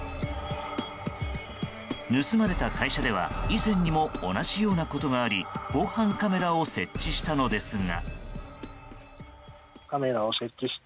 盗まれた会社では以前にも同じようなことがあり防犯カメラを設置したのですが。